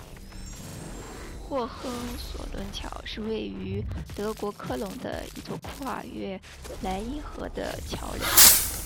霍亨索伦桥是位于德国科隆的一座跨越莱茵河的桥梁。